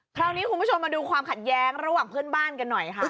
คราวนี้คุณผู้ชมมาดูความขัดแย้งระหว่างเพื่อนบ้านกันหน่อยค่ะ